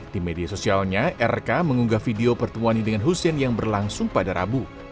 di media sosialnya rk mengunggah video pertemuan ini dengan hussein yang berlangsung pada rabu